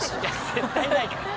絶対ないから。